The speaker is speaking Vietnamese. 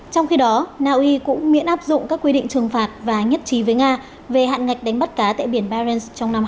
trong khi đó naui cũng miễn áp dụng các quy định trừng phạt và nhất trí với nga về hạn ngạch đánh bắt cá tại biển barens trong năm hai nghìn hai mươi